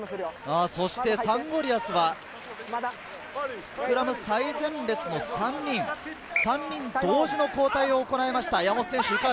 サンゴリアスはスクラム最前列の３人、同時の交代を行いました。